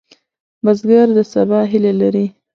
بزګر د سبا هیله لري